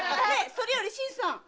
それより新さん。